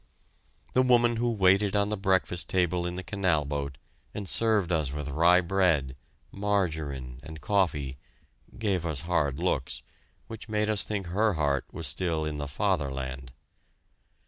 The woman who waited on the breakfast table in the canal boat, and served us with rye bread, margarine, and coffee, gave us hard looks, which made us think her heart was still in the fatherland.